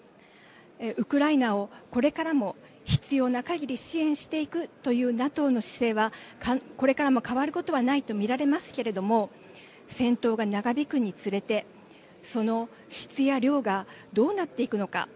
ウクライナをこれからも必要なかぎり支援していくというＮＡＴＯの姿勢はこれからも変わることはないと見られますけれども戦闘が長引くにつれてその質や量がどうなっていくのか。